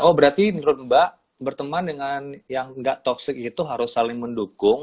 oh berarti menurut mbak berteman dengan yang nggak toxic itu harus saling mendukung